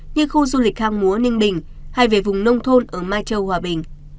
như khu du lịch hang múa ninh bình hay về vùng nông thôn ở mai châu hòa bình